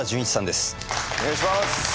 お願いします。